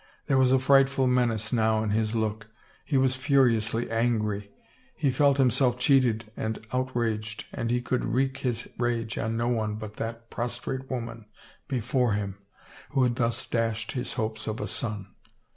There was a frightful menace now in his look; he was furiously angry; he felt himself cheated and outraged and he could wreak his rage on no one but that prostrate woman before him who had thus dashed his hopes of a son.